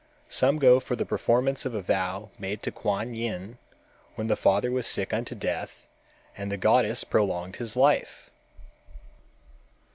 Some go for the performance of a vow made to Kuan Yin, when the father was sick unto death and the goddess prolonged his life.